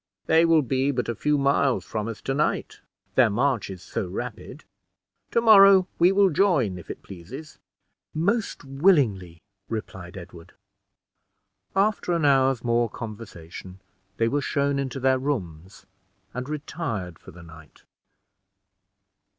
"They will be but a few miles from us to night, their march is so rapid; to morrow we will join, if it pleases." "Most willingly," replied Edward. After an hour's more conversation, they were shown into their rooms, and retired for the night.